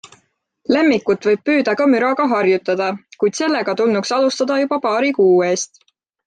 Lemmikut võib püüda ka müraga harjutada, kuid sellega tulnuks alustada juba paari kuu eest.